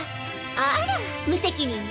あら無責任ね。